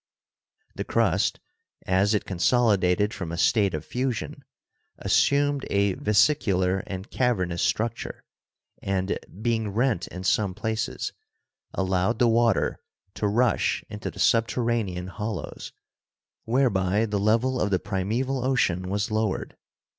The crust, as it consolidated from a state of fusion, assumed a vesicular and cavernous structure, and being rent in some places, allowed the water to rush into the subterranean hollows, whereby the level of the prime val ocean was lowered.